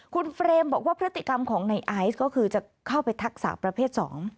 คุณเฟรมบอกว่าพฤติกรรมของในไอซ์ก็คือจะเข้าไปทักษะประเภท๒